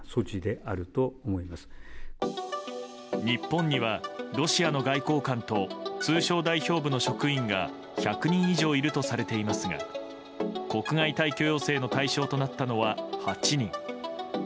日本には、ロシアの外交官と通商代表部の職員が１００人以上いるとされていますが国外退去要請の対象となったのは８人。